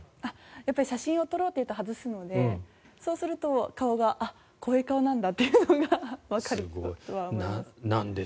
やっぱり写真を撮ろうと言うと外すのでそうすると、顔があっ、こういう顔なんだっていうのは思います。